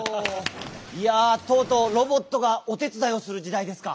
いやぁとうとうロボットがおてつだいをするじだいですか。